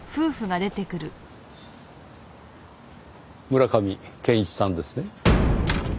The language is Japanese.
村上健一さんですね？